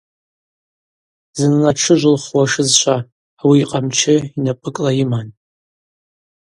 Зынла дтшыжвылхуашызшва, ауи йкъамчы йнапӏыкӏла йыман.